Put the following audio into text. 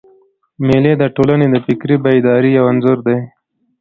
مېلې د ټولني د فکري بیدارۍ یو انځور دئ.